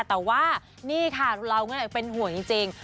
แต่ว่านี่ค่ะเราก็เลยเป็นห่วงจริง